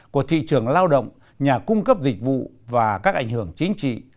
của thị trường lao động nhà cung cấp dịch vụ và các ảnh hưởng chính trị